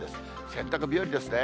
洗濯日和ですね。